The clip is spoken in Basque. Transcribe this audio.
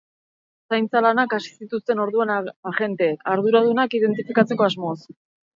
Zaintza lanak hasi zituzten orduan agenteek, arduradunak identifikatzeko asmoz.